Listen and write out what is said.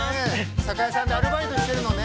酒屋さんでアルバイトしてるのね。